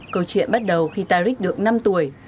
câu chuyện bắt đầu khi tariq được năm tuổi